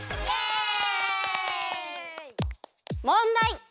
もんだい！